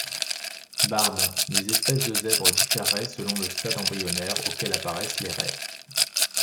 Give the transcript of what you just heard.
Bard, les espèces de zèbres différeraient selon le stade embryonnaire auquel apparaissent les raies.